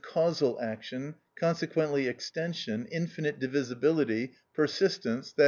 _, causal action, consequently, extension, infinite divisibility, persistence, _i.